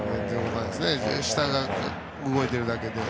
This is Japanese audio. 下が動いているだけで。